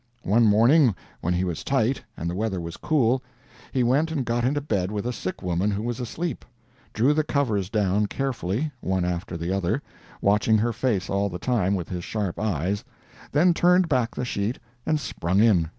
One morning when he was tight and the weather was cool, he went and got into bed with a sick woman who was asleep—drew the covers down carefully, one after the other, watching her face all the time with his sharp eyes—then turned back the sheet and sprung in!